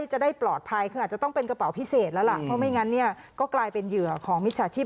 จะได้ปลอดภัยคืออาจจะต้องเป็นกระเป๋าพิเศษแล้วล่ะเพราะไม่งั้นเนี่ยก็กลายเป็นเหยื่อของมิจฉาชีพ